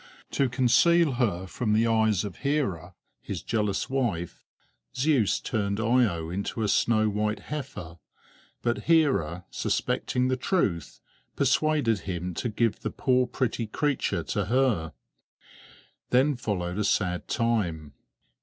To conceal her from the eyes of Hera, his jealous wife, Zeus turned Io into a snow white heifer; but Hera, suspecting the truth, persuaded him to give the poor pretty creature to her. Then followed a sad time.